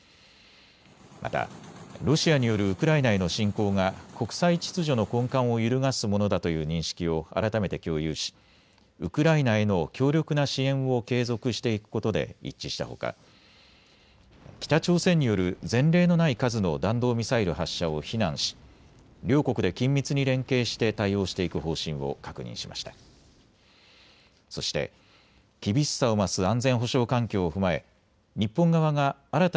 またロシアによるウクライナへの侵攻が国際秩序の根幹を揺るがすものだという認識を改めて共有しウクライナへの強力な支援を継続していくことで一致したほか北朝鮮による前例のない数の弾道ミサイル発射を非難し両国で緊密に連携して対応していく方針を確認しました。